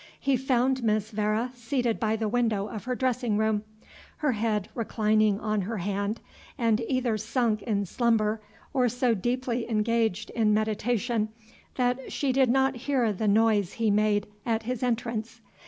He found Miss Vere seated by the window of her dressing room, her head reclining on her hand, and either sunk in slumber, or so deeply engaged in meditation, that she did not hear the noise he made at his entrance.